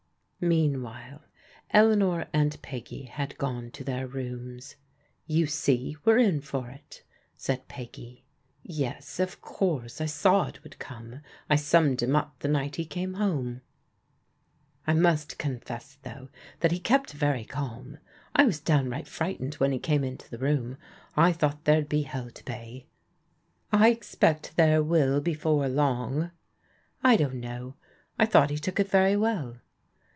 Meanwhile Eleanor and Peggy had gone to thdr rooms. " You see we're in for it," said Peggy. "Yes. Of course, I saw it would come. I summed' Jum up the night he came home." THE STORM BREAKS 47 " I must confess, though, that he kept very calm. I was downright frightened when he came into the room. I thought there'd be to pay." " I expect there will before long." " I don't know. I thought he took it very well."